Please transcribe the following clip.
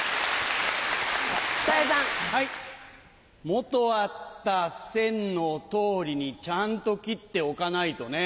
元あった線の通りにちゃんと切っておかないとね。